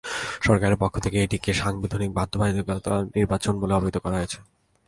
সরকারের পক্ষ থেকেও এটিকে সাংবিধানিক বাধ্যবাধকতার নির্বাচন বলে অভিহিত করা হয়েছে।